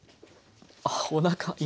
あおなか